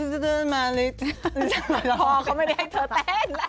แจ๊กหล่อ